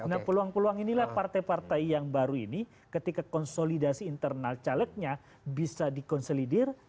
nah peluang peluang inilah partai partai yang baru ini ketika konsolidasi internal calegnya bisa dikonsolidir